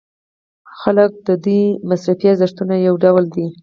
ځکه د دوی مصرفي ارزښتونه یو ډول دي.